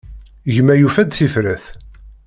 Gma yufa-d tifrat.